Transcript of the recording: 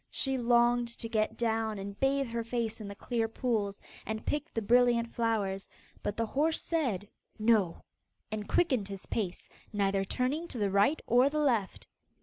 She longed to get down and bathe her face in the clear pools, and pick the brilliant flowers, but the horse said 'No,' and quickened his pace, neither turning to the right or the left.